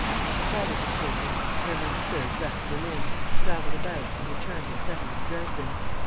At the fall of his patron Hermann III., left Berlin, travelled about and returned and settled in Dresden.